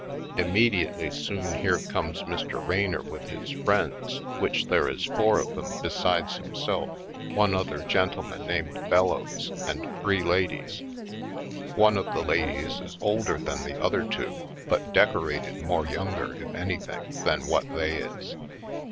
Immediately soon here comes Mr. Ray nor with his friends which there is four of them, besides himself — one other gentleman named Bellows and three ladies. One of the ladies is older than the other two, but decorated more younger, if anything, than what they is.